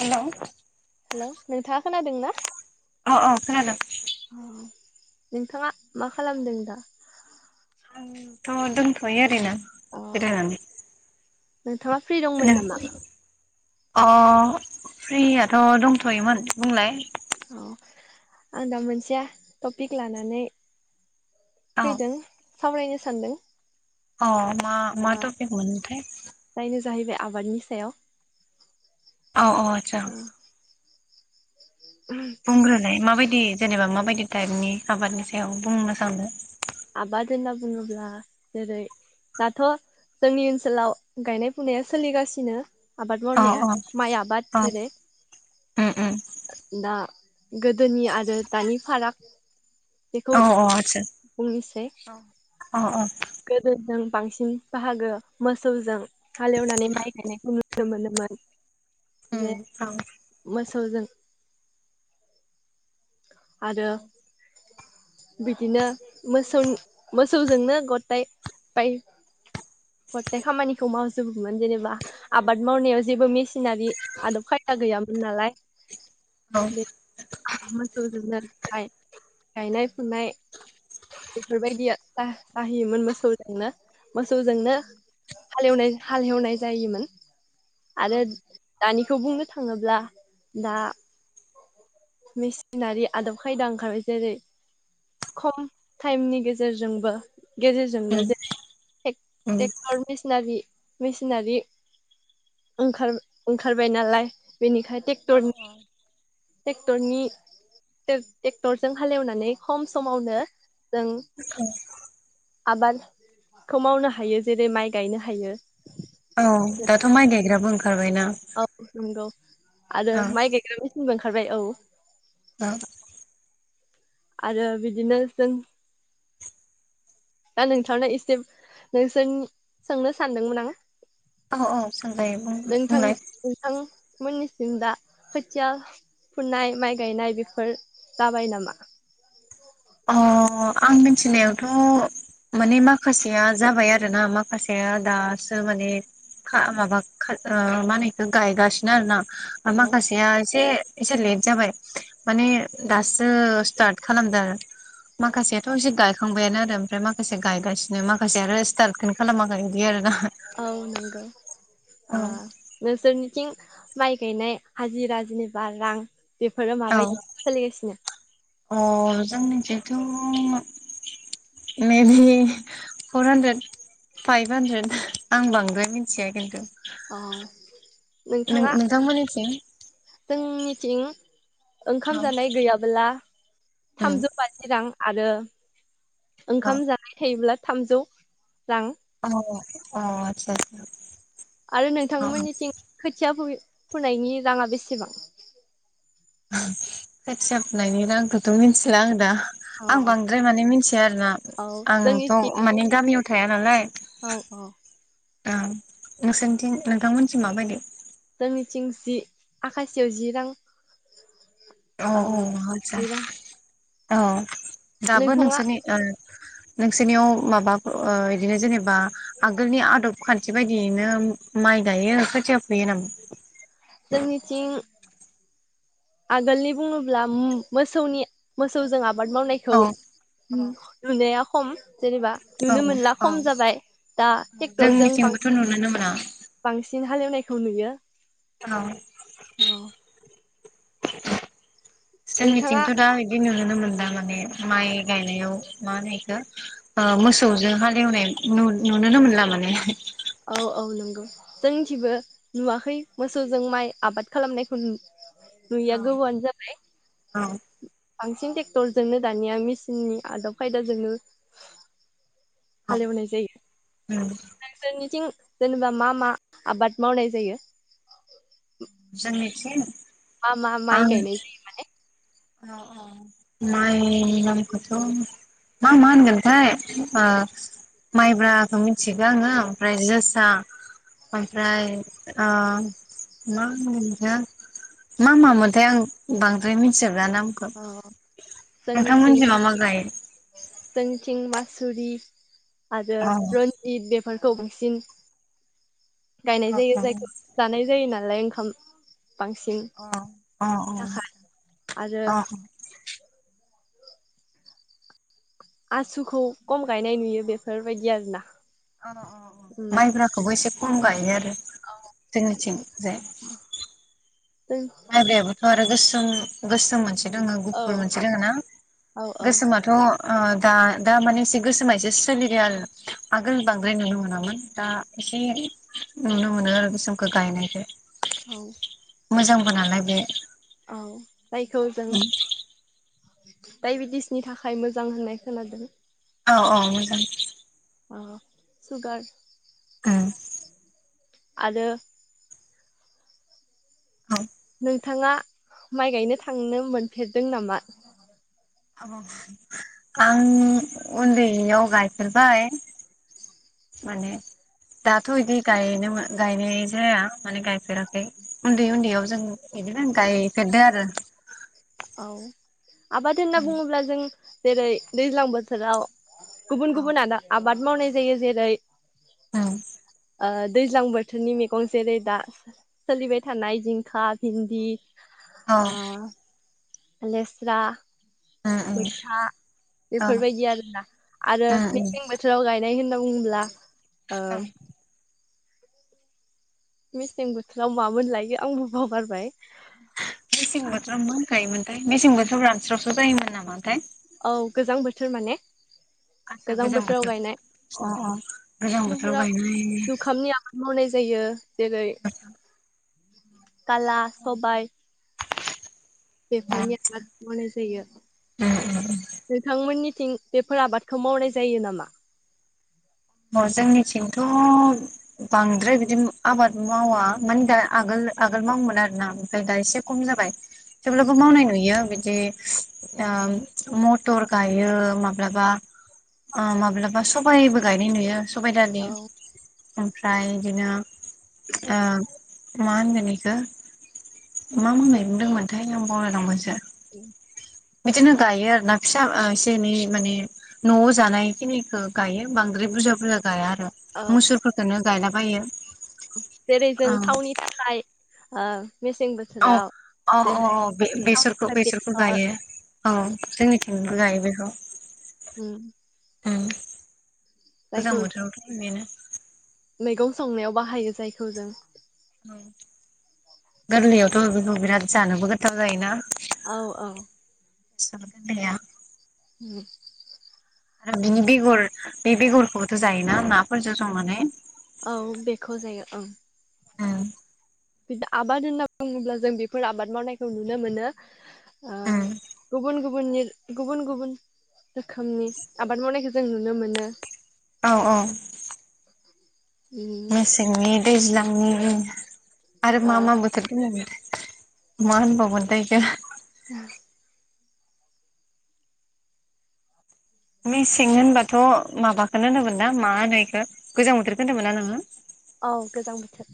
Hello hello नोंथाङा खोनादों ना। अ अ खोनादों। नोंथाङा मा खालामदों दा। आंथ दोंथयो ओरै नो। अ [unintelligible] नोंथाङा फ्रि दंमोन नामा। अ फ्रियाथ दंथयोमोन बुंलाय। औ आं दा मोनसेया टपिक लानानै। औ फैदों। सावरायनो सानदों। अ मा ओ मा टपिक मोनथाय। जायनो जाहैबाय आबादनि सायाव। अ अ आदसा। ओ बुंग्रोनाय माबायदि। जेनेबा माबायदि टाइपनि आबादनि सायाव बुंनो सानदों। आबाद होनना बुङोब्ला जेरै दाथ जोंनि ओनसोलाव गायनाय फुनाया सोलिगासिनो। आबाद अ अ मावनाया माइ आबाद अ जेरै उम उम दा। गोदोनि आरो दानि फाराग। औ औ आदसा। बुंनिसै अ अ गोदो जों। बांसिन बाहागो मोसौजों। हालएवनानै माइ गायनायखौ नुनो मोनो। [unintelligible] उम जे औ मोसौजों आरो औ बिदिनो मोसौ मोसौजोंनो गथाय बाय गथाय खामानिखौ मावजोबोमोन जेनेबा आबाद मावनायाव जेबो मेसिनारि आदब खायदा गैयामोन नालाय। औ बे मोसौजोंनो गायनाय फुनाय बेफोरबायदिया जाहैयोमोन मोसौजोंनो मोसौजोंनो हालेवनाय हालेवनाय जायोमोन आरो दानिखौ बुंनो थाङोब्ला दा। मेसिनारि आदब खायदा ओंखारबाय जेरै खम टाइमनि गेजेरजोंबो। उम गेजेरजोंनो जेरै उम ट्रेक्टर मेसिनारि। मेसिनारि ओंखार-ओंखारबाय नालाय बेनिखायनो तेकतरनि रनि ट्रेक्टरजों हालेवनानै खम समावनो जों औ आबादखौ मावनो हायो जेरै माइ गायनो हायो। औ दाथ' माय गाय [unintelligible] औ नंगौ आरो औ माइ गायग्रा मेसिंबो- ओंखारबाय औ उह आरो बिदिनो जों दा नोंथांनो एसे नोंसोर सोंनो सानदोंमोन आं औ औ सोंजायो बुं बुंलाय। मोननिसिम दा खोथिया फुनाय माइ गायनाय बेफोर जाबाय नामा? अ आं मिथिनायावथ' माने माखासेया जाबाय आरोना माखासेया दासो माने खा माबा खा ओ माहोनो इखौ गायगासिनो आरोना। औ माखासेया इसे एसे लेत जाबाय माने दासो स्टार्ट खालामदो आरो। माखासेयाथ' एसे गायखांबायानो आरो ओमफ्राय माखासे गायगासिनो माखासे आरो स्टार्टखौनो खालामाखै इदि आरोना। औ नोंगौ। औ ओ नोंसोरनिथिं माइ गायनाय हाजिरा जिनिबा रां बेफोरो माबायदि सोलिगासिनो? अ' जोंनिथिथ' maybe four hundred five hundred आं बांद्राय मिन्थिया खिन्थु। औ नों नोंथाङा नोंथांमोननिथिं जोंनि थिं ओंखाम औ जानाय गैयाबोला उम थामजौ बाजि रां आरो औ ओंखाम जानाय थायोब्ला थामजौ रां। अ अ आतसा आतसा। आरो नोंथांमोननिथिं खोथिया फुयो फुनायनि रांआ बेसेबां? खोथिया फुनायनि रांखौथ' मिथिला आं दा। औ आं बांद्राय माने मिथिया आरोना औ आंथ' जोंनिथिं माने गामियाव थाया नालाय औ औ। ओ नोंसोरनिथिं नोंथांमोनथिं माबायदि? जोंनिथिं जि आखासेयाव जि रां। औ औ ओ आच्छा। जि रां औ। दाबो नोंथाङा नोंसोरनि ओ नोंसोरनियाव माबाफो ओ इदिनो जेनेबा आगोलनि आदाब खान बिबायदियैनो उम माइ गायो खोथिया फुयो नामा? जोंनिथिं आगोलनि बुङोब्ला उम मोसौनि मोसौजों आब बाद मावनायखौ औ उम नुनाया खम। जेनेबा औ औ नुनो मोनला औ खम जाबाय दा टेक्टरजों जोंनिथिंबोथ' बांसि नुनोनो मोना बांसिन हालेवनाय खौ नुयो। औ नोंथाङा जोंनिथिंथ' दा इदि नुनोनो मोन दा माने माइ गायनायाव मा होनो इखो ओ मोसौजों हालेवनाय नुु-नुनोनो मोनला माने। औ औ नंगौ जोंनिथिबो नुवाखै मोसौजों माइ आबाद खालामनायखौ नु नुयिआ औ गोबावआनो जाबाय। औ बांसिन टेक्टरजोंनो दानिया मिसिननि आदब खायदाजोंनो औ हालेवनाय जायो उम नोंसोरनिथिं जेनेबा मा मा आबाद मावनाय जायो? जोंनिथिं मा मा माइ आं गायनाय जायो माने? औ औ माइ नामखोथ' मा मा होनगोनथाय ओ माइब्रा खौ मिथिगौ आङो ओमफ्राय जोस दाओमफ्राय ओ मा होनो मा मामोनथाय आं बांद्राय मि बला नामखौ जायो अ जोंनिथिं नोंथांमोनथिं मा मा गायो? जोंनिथिं मासुरि आरो अ रनजिद बेफ फोरखौ बांसिन गायनाय अ जायो जायखौ जानाय जायो नालाय। थाम। अ अ अ आरो अ अ। [inaudible] आसुखौ खम गायनाय नुयो बेफोरबायदि आरोना। अ अ अ उम माइब्राखौबो एसे खम गायो आरो। जोंनोथिं जाय। जों माइब्रायाबोथ' आरो गोस सोम गोसोम मोनसे दोङो औ गुफुर मोनसे दोङो ना औ औ गोसोमाथ' ओ दा दा माने एसे गोसोमा एसे सोलिदों आरो आगोल बांद्राय नुनो मोनामोन दा एसे नुनो मोनो आरो गोसोमखौ गायनायखो औ। मोजांबो नालाय बे औ। जायखौ जों डायबेटिसनि थाखाय मोजां होननाय खोनादों। औ औ मोजां सुगार औ आरो [inaudible] नोंथाङा माइ गायनो थांनो मोनफेरदों नामा? आं उन्दैयाव गायफेरबाय माने दाथ' बिदि गायनो गायनाय जाया माने गायफेराखै उन्दै उन्दैयाव जों बिदिनो गायफेरदो आरो। औ। आबाद होनना उम बुङोब्ला जों जेरै दैज्लां बोथोराव गुबुन औ गुबुन आदा आब आबाद मावनाय जायो जेरै ओं ओ दैज्लां बोथोरनि मैगं जेरै दा सोलिबाय थानाय जिंखा भिन्दि आ लेस्रा उम उम मैथा औ बेफोरबायदि आरोना आरो उम उम मेसें बोथोराव गाय नाय होनना बुङोब्ला औ मेसें बोथोराव मामोन लायो आंबो बावगारबाय मेसें बोथोराव मा गायोमोनथाय मेसें बोथोराव रानस्रावस्राव जायोमोन नामाथाय औ गोजां बोथोर माने आतसा गोजां बोथोराव बोथोर गायनाय अ अ गोजां बोथोराव गायना जुखामनि आबाद मावनाय जायो जेरै [inaudible] काला सबाय उम बेफोरनि आबाद मावनाय जायो उम नोंथांमोननि थिं बेफोर आबादखौ मावनाय जायो नामा अ जोंनिथिंथ' बांद्राय बिदि आबाद मावा मानि दा आगोल आगोल मावोमोन आरोना ओमफ्राय दा एसे खम जाबाय थेवब्लाबो मावनाय नुयो बिदि मथर गायो माब्लाबा माब्लाबा सबाइबो गायनाय नुयो सबायदादि औ उम ओम्रफ्राय बिदिनो ओ मा होनगोन इखो मा मुंनाय बुंदोंमोनथाय आं बावलायलांबायसो औ बिदिनो गायो आरोना फिसा एसे एनै माने न'आव जानाय खिनिखौ गायो बांद्राय बुरजा बुरजा गाया आरो औ मुसुरफोरखौनो गायलाबायो आ औ औ औ औ थावनि बे-बेसरखौ थाखाय बेसरखौ बेसर गायो औ ओम जोंनिथिंनिबो गायो बेखौ। उम उ। गोजां जायखौ बोथोरावथ' बेनो ‌। मैगं संनायाव बाहायो जायखौ जों। औ गोरलैयावथ' बेखौ बिराद जानोबो गोथाव जायोना? औ औ। बेसर फोनाया ओम। आरो बिनि बेगर बे बेगरखौबोथ' जायोना? ना औ बेखौ जायो ओं ‌। उम बि आबाद होनना बुङोब्ला जों बेफोर आबाद मावनायखौ नुनो मोनो। ओ उम गुबुन गुब गुबुननि गुबुन गुबुन रोखोमनि आबाद मावनायखौ जों नुनो मोनो। औ औ। उम मेसेंनि दैज्लां [unintelligible] आरो औ मा मा बोथोर [unintelligible] मा होनबावगोन थाइ इखो? ओ। मेसें होनबाथ' माबाखोनो होनोमोन ना मा होनो इखो गोजां बोथोरखौ होनदो मोन ना नोङो? औ गोजां बोथोर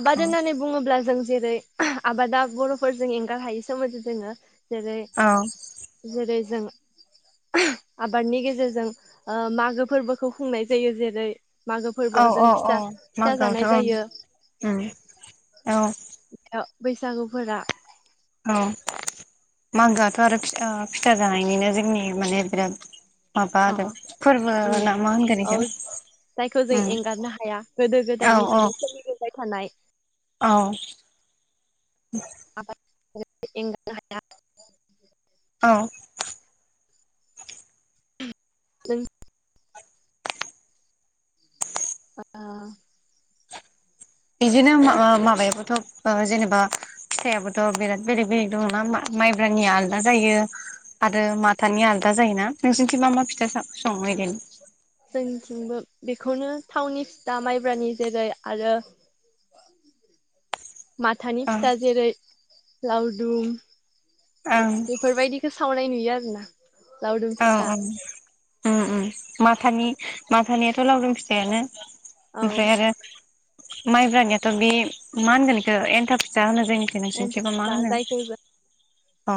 आबाद होननानै बुङोब्ला जों जेरै ओह आबादा बर'फोरजों एंगार हायै सोमोन्दै दोङो। जेरै औ औ जेरै जों ओह आबादनि गेजेरजों ओ मागो फोरबोखौ खुंनाय जायो जेरै मागो औ फोरबोआव जों औ औ फिथा फिथा मागोआवथ' जानाय ओं जायो ओ औ। ओ बैसागुफोरा औ मागोआथ' आरो फिथा-फिथा जानायनिनो जोंनि माने बिराद माबा अ आरो फोरबो ना मा होनगोन औ इखो ऐ जायखौ जों उम एंगारनो हाया गोदो औ औ गोदायनिफ्रायनो सोलिबोनाय थानाय। औ। आबाद एंगारनो हाया। औ। नों अ बिदिनो ओ माबायाबोथ' ओ जेनेबा फिथाइयाबोथ' बिराद बेलेग बेलेग दङ ना मा-माइब्रानि आलदा जायो आरो माथानि आलदा जायोना नोंसोरनिथिं मा मा फिथा स-संओ माइगानो? जोंथिंबो बेखौनो थावनि फिथा माइब्रानि जेरै आरो माथानि ओं फिथा जेरै लावदुम ओं बेफोरबायदिखौ सावनाय नुयो। इ आरो ना लावडुम फिथा ओम ओम माथानि माथानियाथ' लावदोंम फिथायानो औ ओमफ्राय आरो माइब्रानियाथ' बे मा होनगोन एखौ एन्थाम फिथा होन जोंनिथिं एन्थाब नोंसोरनिथिबा मा फिथा होनो जायखौ जों अ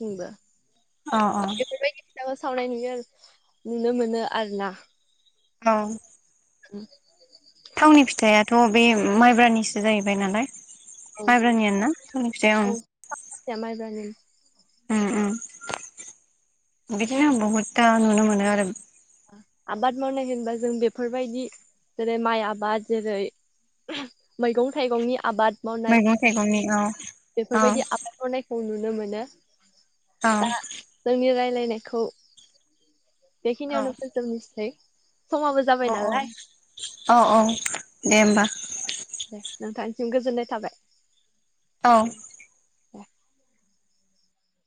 होनबा अ अ सावनाय नुयो नुनो मोनो आरो ना। औ [unintelligible] थावनि फिथाया थ' बे माइब्रानिसो जाहैबाय नालाय। औ मायब्रानियानोना? बे थावनि फिथाया उम जोंहा मायब्रानि ओम ओम बिदिनो बहुदथा नुनो मोनो आरो। आबाद मावनाय होनबा जों बेफोरबायदि जेरै माइ आबाद जेरै मैगं थाइगंनि आबाद मावनाय मैगं थायगंनि औ औ बेफोरबायदि आबाद मावनायखौ नुनो मोनो। औ दा जोंनि रायलाय नायखौ बेखिनियावनो सै अ अ अ अ दे ओमबा। जों गोजोननाय थाबाय। औ औ